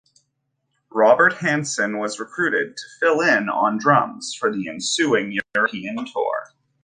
Robert Hansson was recruited to fill in on drums for the ensuing European tour.